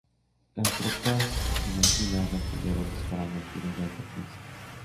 Las tropas tunecinas respondieron disparando tiros de advertencia.